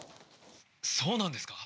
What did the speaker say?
そうなんですか？